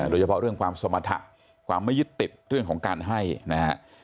โดยเฉพาะเรื่องความสมรรถะความไม่ยึดติดเรื่องของการให้นะฮะ